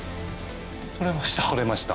取れました。